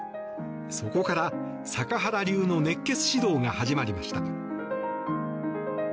そこから、坂原流の熱血指導が始まりました。